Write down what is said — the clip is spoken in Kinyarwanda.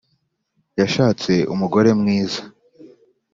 Yashatse umugore mwiza